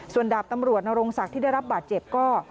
ส่วนดาบตำรวจนรงศักดิ์ที่ได้รับบาดเจ็บก็